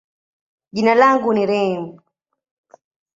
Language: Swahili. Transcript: jina langu ni Reem.